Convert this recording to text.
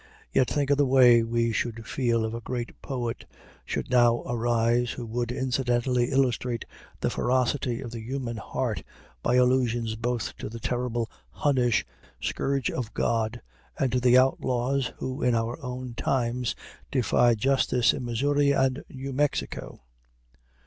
Yet think of the way we should feel if a great poet should now arise who would incidentally illustrate the ferocity of the human heart by allusions both to the terrible Hunnish "scourge of God" and to the outlaws who in our own times defied justice in Missouri and New Mexico!